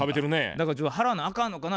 だから「自分払わなあかんのかな？」